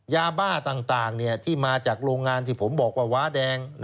ยาบ้าต่างที่มาจากโรงงานที่ผมบอกว่าว้าแดง